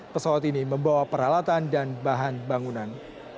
pesawat ini membawa peralatan dan bahan bangunan